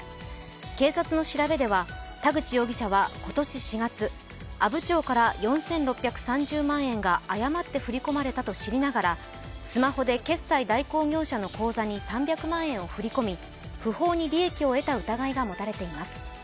警察の調べでは、田口容疑者は今年４月、阿武町から４６３０万円が誤って振り込まれたと知りながらスマホで決済代行業者の口座に３００万円を振り込み、不法に利益を得た疑いが持たれています。